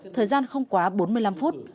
thời gian không quá bốn mươi năm phút